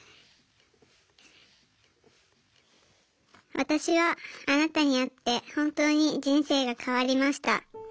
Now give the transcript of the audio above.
「私はあなたに会って本当に人生が変わりました。